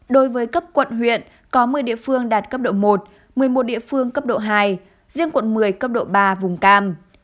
đối với cấp quận huyện có một mươi địa phương đạt cấp độ một một mươi một địa phương cấp độ hai riêng quận một mươi cấp độ ba vùng cam